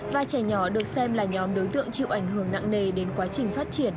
và trẻ nhỏ được xem là nhóm đối tượng chịu ảnh hưởng nặng nề đến quá trình phát triển